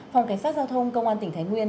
phòng cảnh sát giao thông công an tỉnh thái nguyên